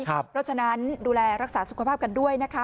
เพราะฉะนั้นดูแลรักษาสุขภาพกันด้วยนะคะ